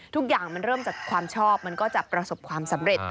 ทุกอย่างมันเริ่มจากความชอบมันก็จะประสบความสำเร็จ